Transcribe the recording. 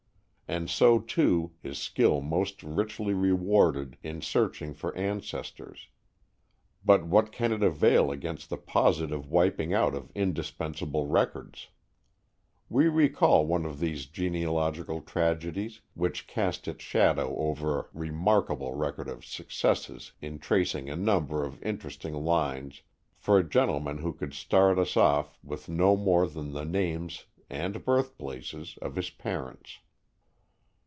And so, too, is skill most richly rewarded in searching for ancestors; but what can it avail against the positive wiping out of indispensable records? We recall one of these genealogical tragedies, which cast its shadow over a remarkable record of successes in tracing a number of interesting lines for a gentleman who could start us off with no more than the names and birth places of his parents.